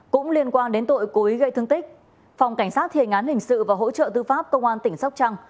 cũng liên quan đến tội cố ý gây thương tích phòng cảnh sát thiền án hình sự và hỗ trợ tư pháp công an tỉnh sóc trăng